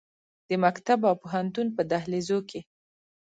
د مکتب او پوهنتون په دهلیزو کې